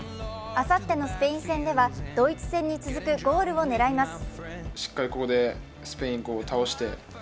あさってのスペイン戦ではドイツ戦に続くゴールを狙います。